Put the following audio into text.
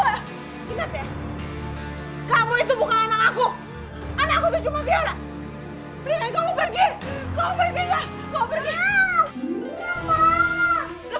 anak aku itu cuma tiara